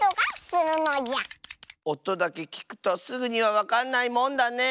おとだけきくとすぐにはわかんないもんだねえ。